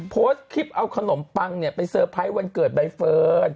โพสต์คลิปเอาขนมปังไปเซอร์ไพรส์วันเกิดใบเฟิร์น